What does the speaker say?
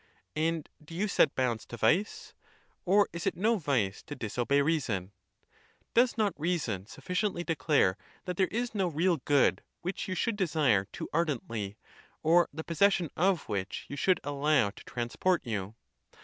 And do you set bounds to vice? or is it no vice to disobey reason? Does not reason sufficient ly declare that there is no real good which you should de sire too ardently, or the possession of which you should al © low to transport you?